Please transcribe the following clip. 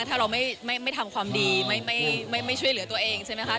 ถ้าเราไม่ทำความดีไม่ช่วยเหลือตัวเองใช่ไหมคะ